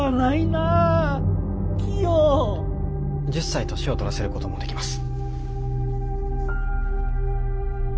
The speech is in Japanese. １０才年をとらせることもできます。